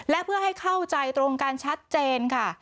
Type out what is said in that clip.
และเพื่อให้เข้าใจตรงกันชัดเจนค่ะ